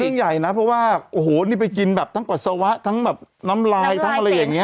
ยิ่งใหญ่นะเพราะว่าโอ้โหนี่ไปกินแบบทั้งปัสสาวะทั้งแบบน้ำลายทั้งอะไรอย่างนี้